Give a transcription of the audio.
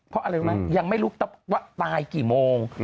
เพราะอะไรรู้ไหมยังไม่รู้ว่าตายกี่โมง